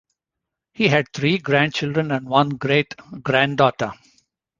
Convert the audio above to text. He had three grandchildren and one great-granddaughter.